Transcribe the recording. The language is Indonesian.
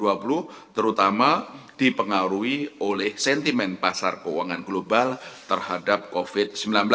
terutama dipengaruhi oleh sentimen pasar keuangan global terhadap covid sembilan belas